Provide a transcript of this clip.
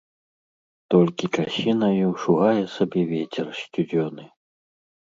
Толькі часінаю шугае сабе вецер сцюдзёны.